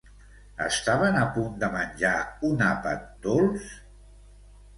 Estaven a punt de menjar un àpat dolç?